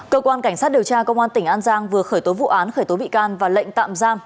cơ quan cảnh sát điều tra công an tỉnh an giang vừa khởi tố vụ án khởi tố bị can và lệnh tạm giam